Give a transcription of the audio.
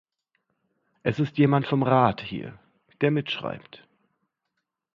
Es ist jemand vom Rat hier, der mitschreibt.